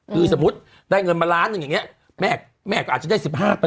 คือสมมุติได้เงินมาล้านหนึ่งอย่างนี้แม่ก็อาจจะได้๑๕